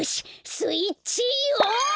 スイッチオ！